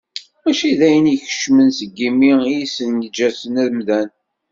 Mačči d ayen ikeččmen seg yimi i yessenǧasen amdan.